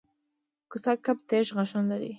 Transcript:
کوسه کب تېز غاښونه لري